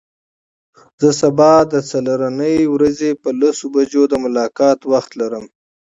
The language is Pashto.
زه سبا د څلرنۍ ورځ په لسو بجو د ملاقات وخت لرم.